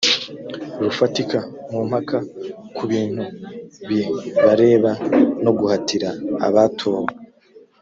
rufatika mu mpaka ku bintu bibareba no guhatira abatowe